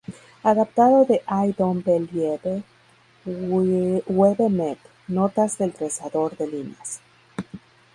Adaptado de "I Don't Believe We've Met" notas del trazador de líneas.